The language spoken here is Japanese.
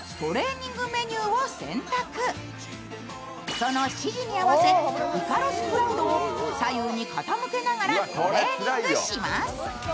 その指示に合わせ、イカロスクラウドを左右に傾けながらトレーニングします。